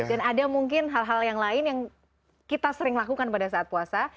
dan ada mungkin hal hal yang lain yang kita sering lakukan pada saat puasa